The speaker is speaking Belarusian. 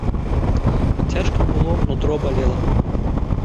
Цяжка было, нутро балела.